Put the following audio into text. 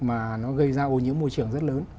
mà nó gây ra ô nhiễm môi trường rất lớn